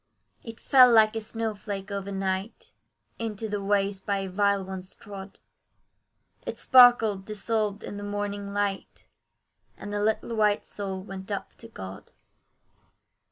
It fell like a snow flake over night, Into the ways by vile ones trod; It sparkled dissolved in the morning light, And the little white soul went up to God.